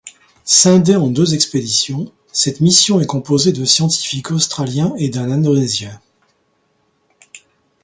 Scindée en deux expéditions, cette mission est composée de scientifiques australiens et d'un indonésien.